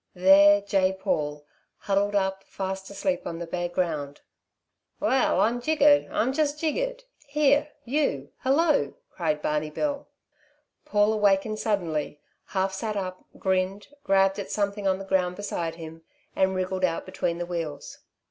There lay Paul, huddled up, fast asleep on the bare ground. "Well, I'm jiggered! I'm just jiggered. Here, you hello!" cried Barney Bill. Paul awakened suddenly, half sat up, grinned, grabbed at something on the ground beside him and wriggled out between the wheels.